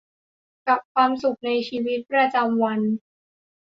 กับความสุขในชีวิตประจำวัน